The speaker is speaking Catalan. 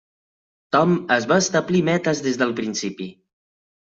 Tom es va establir metes des del principi.